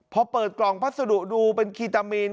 พอเปิดกล่องพัสดุดูเป็นคีตามีน